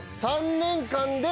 ３年間で。